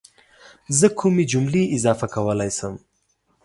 زه کومې جملې اضافه کولی شم؟